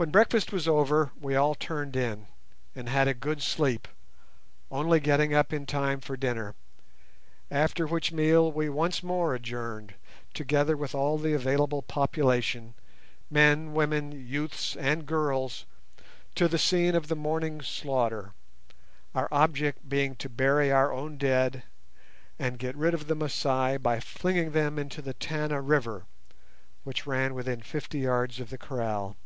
When breakfast was over we all turned in and had a good sleep, only getting up in time for dinner; after which meal we once more adjourned, together with all the available population—men, women, youths, and girls—to the scene of the morning's slaughter, our object being to bury our own dead and get rid of the Masai by flinging them into the Tana River, which ran within fifty yards of the kraal.